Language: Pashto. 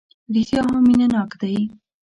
رېښتیا هم مینه ناک دی.